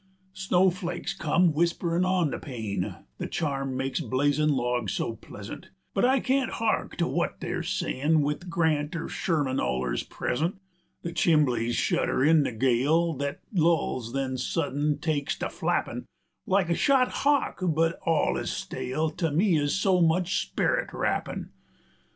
80 Snow flakes come whisperin' on the pane, The charm makes blazin' logs so pleasant, But I can't hark to wut they're say'n', With Grant or Sherman ollers present; The chimbleys shudder in the gale, 85 Thet lulls, then suddin takes to flappin' Like a shot hawk, but all's ez stale To me ez so much sperit rappin'.